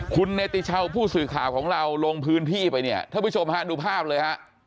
คุณเนติชาวผู้สื่อข่าวของเราลงพื้นที่ไปเนี่ยท่านผู้ชมฮะดูภาพเลยฮะ